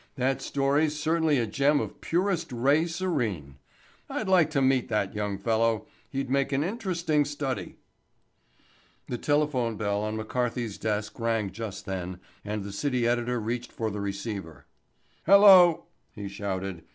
That story's certainly a gem of purest ray serene. I'd like to meet that young fellow. He'd make an interesting study." The telephone bell on McCarthy's desk rang just then and the city editor reached for the receiver. "Hello," he shouted.